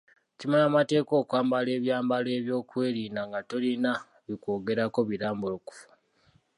Kimenya mateeka okwambala ebyambalo by'ebyokwerinda nga tolina bikwogerako birambulukufu.